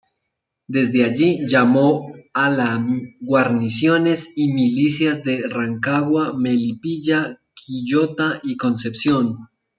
Desde allí llamó a la guarniciones y milicias de Rancagua, Melipilla, Quillota y Concepción.